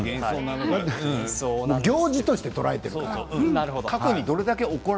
行事として捉えているから。